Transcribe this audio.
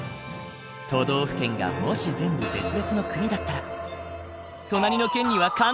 都道府県がもし全部別々の国だったら。